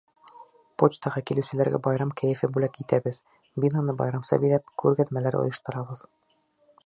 Почтаға килеүселәргә байрам кәйефе бүләк итәбеҙ: бинаны байрамса биҙәп, күргәҙмәләр ойошторабыҙ.